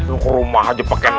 nunggu rumah aja pak kenang